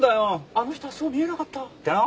「あの人はそう見えなかった」ってな。